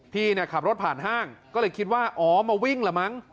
พี่เนี่ยขับรถผ่านห้างก็เลยคิดว่าอ๋อมาวิ่งละมั้ง